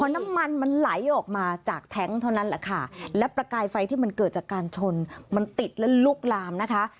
น้ำมันมันไหลออกมาจากแท้งเท่านั้นแหละค่ะและประกายไฟที่มันเกิดจากการชนมันติดแล้วลุกลามนะคะ